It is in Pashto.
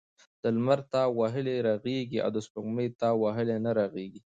د لمر تاو وهلی رغیږي او دسپوږمۍ تاو وهلی نه رغیږی .